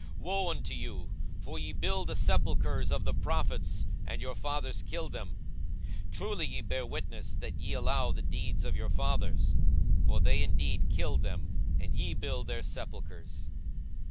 42:011:047 Woe unto you! for ye build the sepulchres of the prophets, and your fathers killed them. 42:011:048 Truly ye bear witness that ye allow the deeds of your fathers: for they indeed killed them, and ye build their sepulchres.